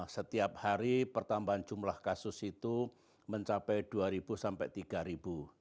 setiap hari pertambahan jumlah kasus itu mencapai dua sampai tiga ribu